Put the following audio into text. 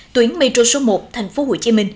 tuyến metro số một tp hcm